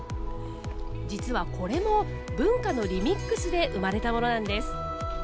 実はこれも文化のリミックスで生まれたものなんです。